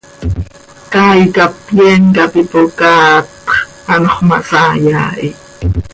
Caay cap yeen cap ipocaat x, anxö ma saai haa hi.